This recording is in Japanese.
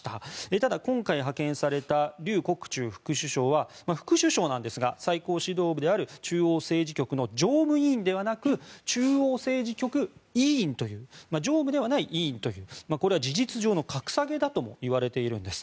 ただ、今回派遣されたリュウ・コクチュウ副首相は副首相なんですが最高指導部である中央政治局の常務委員ではなく中央政治局委員という常務ではない委員という事実上の格下げだといわれているんです。